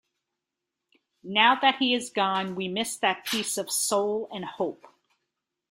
Now that he is gone we miss that piece of soul and hope.